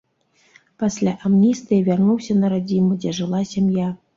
Пасля амністыі вярнуўся на радзіму, дзе жыла сям'я.